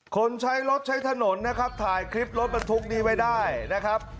คนใช้รถใช้ถนนนะครับถ่ายคลิปรถบรรทุกนี้ไว้ได้นะครับ